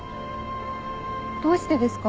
どうしてですか？